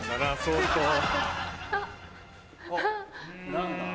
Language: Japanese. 何だ？